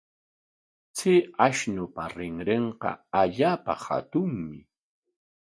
Chay ashnupa rinrinqa allaapa hatunmi.